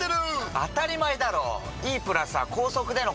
当たり前だろ。